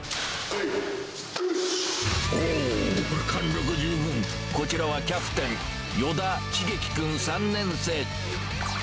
貫禄十分、こちらはキャプテン、依田蒼基君３年生。